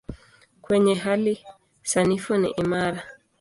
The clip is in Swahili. Kwenye hali sanifu ni imara.